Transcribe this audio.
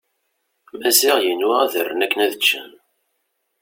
Maziɣ yenwa ad rren akken ad ččen.